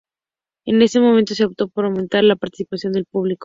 En ese momento se optó por aumentar la participación del público.